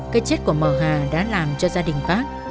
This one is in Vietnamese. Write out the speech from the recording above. cái chết của mờ hà đã làm cho gia đình phát